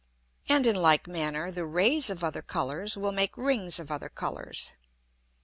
And, in like manner, the Rays of other Colours will make Rings of other Colours.